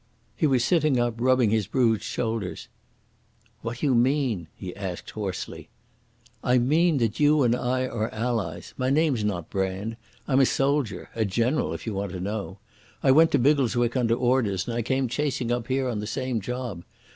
He was sitting up rubbing his bruised shoulders. "What do you mean?" he asked hoarsely. "I mean that you and I are allies. My name's not Brand. I'm a soldier—a general, if you want to know. I went to Biggleswick under orders, and I came chasing up here on the same job.